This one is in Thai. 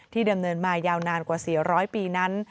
ดำเนินมายาวนานกว่า๔๐๐ปีนั้น